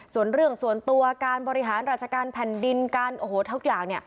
ส่วนเรื่องส่วนตัวการบริหารราชการแผ่นดินการโอ้โหทุกอย่าง